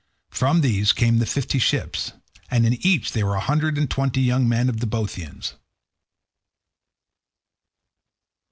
From these there came fifty ships, and in each there were a hundred and twenty young men of the Boeotians.